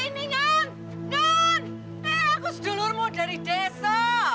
nen eh aku sedulurmu dari desa